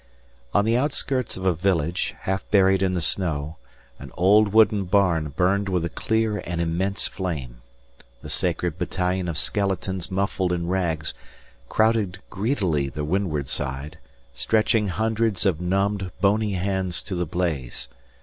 On the outskirts of a village, half buried in the snow, an old wooden barn burned with a clear and immense flame. The sacred battalion of skeletons muffled in rags crowded greedily the windward side, stretching hundreds of numbed, bony hands to the blaze.